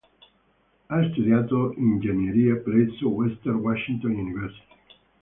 Ha studiato ingegneria presso Western Washington University.